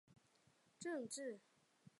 元至正二十三年。